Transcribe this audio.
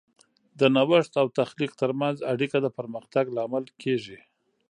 د نوښت او تخلیق ترمنځ اړیکه د پرمختګ لامل کیږي.